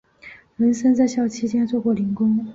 文森在校期间做过零工。